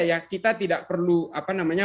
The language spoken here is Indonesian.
ya kita tidak perlu apa namanya